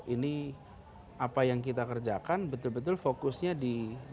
ini apa yang kita kerjakan betul betul fokusnya di